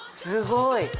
すごいね。